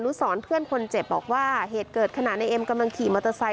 นุสรเพื่อนคนเจ็บบอกว่าเหตุเกิดขณะในเอ็มกำลังขี่มอเตอร์ไซค